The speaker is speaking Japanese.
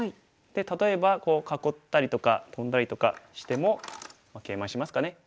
例えばこう囲ったりとかトンだりとかしてもケイマしますかね。